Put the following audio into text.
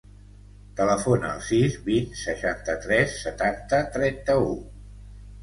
Telefona al sis, vint, seixanta-tres, setanta, trenta-u.